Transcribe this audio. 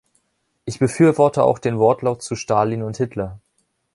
Ich befürworte auch den Wortlaut zu Stalin und Hitler.